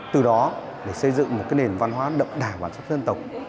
từ đó để xây dựng một nền văn hóa đậm đà của các dân tộc